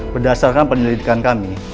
berdasarkan penyelidikan kami